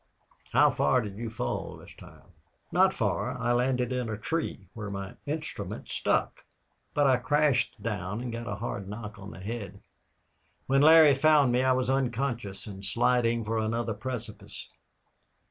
How far did you fall this time?" "Not far. I landed in a tree, where my instrument stuck. But I crashed down, and got a hard knock on the head. When Larry found me I was unconscious and sliding for another precipice."